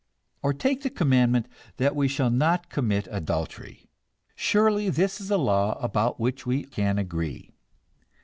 Or take the commandment that we shall not commit adultery. Surely this is a law about which we can agree!